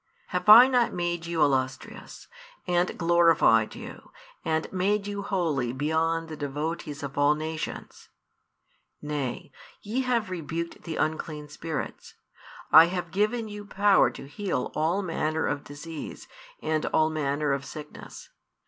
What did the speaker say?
Have I not made you illustrious, and glorified you, and made you holy beyond the devotees of all nations? Nay, ye have rebuked the unclean spirits; I have given you power to heal all manner of disease, and all manner of sickness.